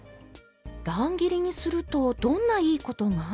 乱切りにするとどんないいことが？